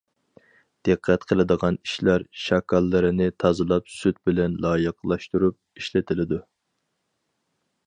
دىققەت قىلىدىغان ئىشلار شاكاللىرىنى تازىلاپ سۈت بىلەن لايىقلاشتۇرۇپ ئىشلىتىلىدۇ.